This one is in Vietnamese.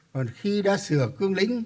còn khi đã sửa cương lĩnh